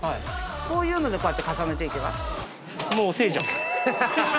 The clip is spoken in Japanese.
こういうのでこうやって重ねていけば？